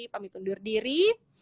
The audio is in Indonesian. pamit undur diri